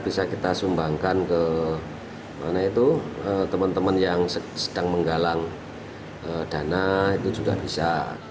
bisa kita sumbangkan ke mana itu teman teman yang sedang menggalang dana itu juga bisa